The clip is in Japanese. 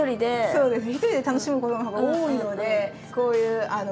そうですね。